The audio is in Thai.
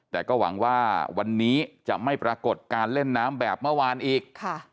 แต่ก็หวังว่าวันนี้จะไม่ปรากฏการเล่นน้ำแบบเมื่อวานอีก